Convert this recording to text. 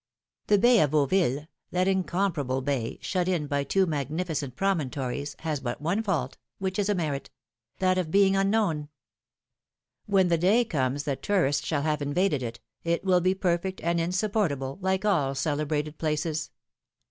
The bay of Vauville, that incomparable bay, shut in by two magnificent promontories, has but one fault, which is a merit: that of being unknown. When the day comes that tourists shall have invaded it, it will be perfect and insupportable like all celebrated places.